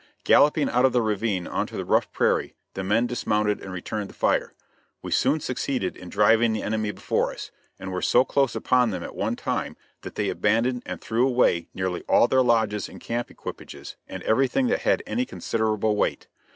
Galloping out of the ravine on to the rough prairie the men dismounted and returned the fire. We soon succeeded in driving the enemy before us, and were so close upon them at one time, that they abandoned and threw away nearly all their lodges and camp equipages, and everything that had any considerable weight.